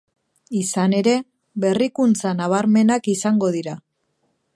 Izan ere, berrikuntza nabarmenak izango dira.